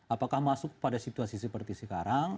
apakah masuk pada situasi seperti sekarang